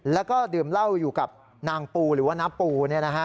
แล้วก็ดื่มเหล้าอยู่กับนางปูหรือว่าน้าปู